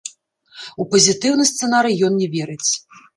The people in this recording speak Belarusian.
У пазітыўны сцэнарый ён не верыць.